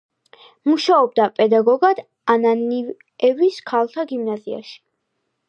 მუშაობდა პედაგოგად ანანიევის ქალთა გიმნაზიაში.